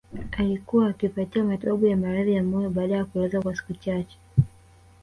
Alikuwa akipatiwa matibabu ya maradhi ya moyo baada ya kulazwa kwa siku chache